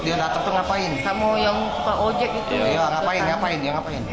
apa yang dia lakukan